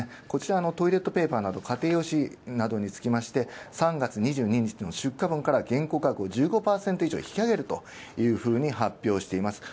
こちら、トイレットペーパなどにつきまして３月２２日の出荷分から原稿株を引き上げると発表している。